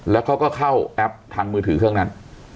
แล้วเขาก็เข้าแอปทางมือถือเครื่องนั้น